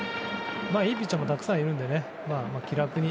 いいピッチャーもたくさんいるので気楽に。